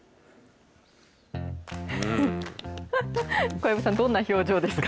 小籔さん、どんな表情ですか。